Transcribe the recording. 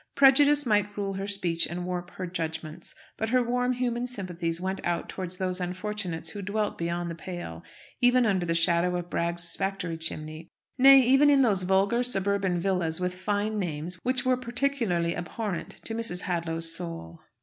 Prejudice might rule her speech, and warp her judgments, but her warm human sympathies went out towards those unfortunates who dwelt beyond the pale, even under the shadow of Bragg's factory chimney; nay, even in those vulgar suburban villas, with fine names, which were particularly abhorrent to Mrs. Hadlow's soul.